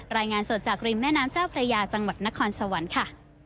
รายงานสดจากริมแม่น้ำเจ้าพระยาจังหวัดนครสวรรค์ค่ะ